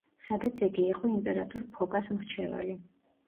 სადაც იგი იყო იმპერატორ ფოკას მრჩეველი.